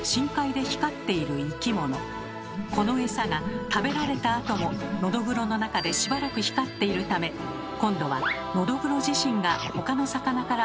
このエサが食べられたあともノドグロの中でしばらく光っているため今度はノドグロ自身がほかの魚から狙われてしまいます。